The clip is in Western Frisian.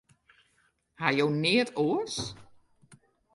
Ha jo neat oars?